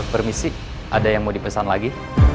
bermisik ada yang mau dipesan lagi